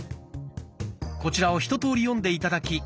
こちらを一とおり読んで頂き